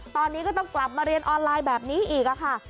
ตอนนี้ก็ต้องกลับมาเรียนออนไลน์แบบนี้อีกค่ะ